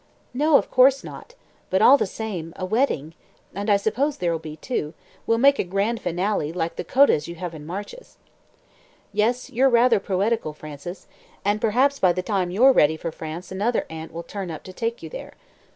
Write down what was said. "No, of course not. But all the same a wedding and I suppose there'll be two will make a grand finale like the 'Codas' you have in marches." "Yes. You're really rather poetical, Frances. And perhaps by the time you're ready for France another aunt will turn up to take you there."